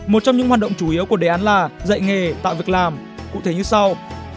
một trong những hoạt động chủ yếu của đề án là dạy nghề tạo việc làm cụ thể như sau